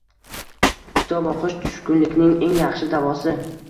Kitob o‘qish – tushkunlikning eng yaxshi davosi.